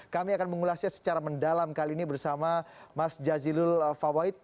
kami akan mengulasnya secara mendalam kali ini bersama mas jazilul fawait